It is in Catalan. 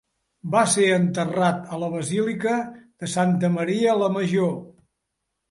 Va ser enterrat a la Basílica de Santa Maria la Major.